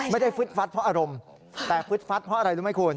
ฟึดฟัดเพราะอารมณ์แต่ฟึดฟัดเพราะอะไรรู้ไหมคุณ